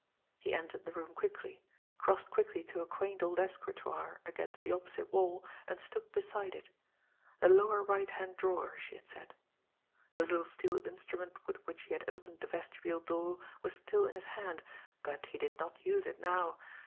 He entered the room quickly, crossed quickly to a quaint old escritoire against the opposite wall, and stooped beside it. The lower right hand drawer, she had said. The little steel instrument with which he had opened the vestibule door was still in his hand, but he did not use it now!